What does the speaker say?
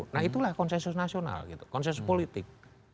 nah itulah konsensus nasional gitu konsensus politik